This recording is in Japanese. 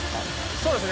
そうですね。